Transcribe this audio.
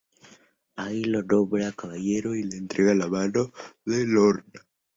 Ahí lo nombra caballero y le entrega la mano de Lorna.